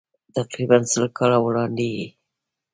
تقریباً سل کاله وړاندې یې.